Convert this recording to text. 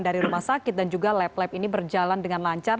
dari rumah sakit dan juga lab lab ini berjalan dengan lancar